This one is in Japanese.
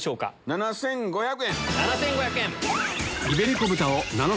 ７５００円。